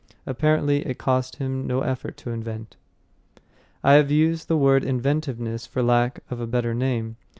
Apparently, it cost him no effort to invent. I have used the word inventiveness for lack of a better name.